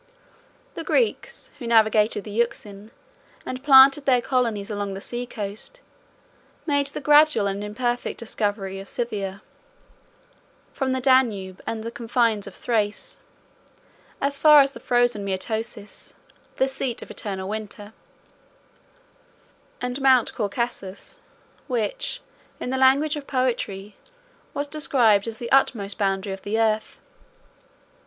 The Greeks, who navigated the Euxine, and planted their colonies along the sea coast, made the gradual and imperfect discovery of Scythia; from the Danube, and the confines of Thrace, as far as the frozen Mæotis, the seat of eternal winter, and Mount Caucasus, which, in the language of poetry, was described as the utmost boundary of the earth.